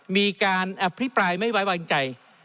มีการอภิปรายไม่ไว้วางใจ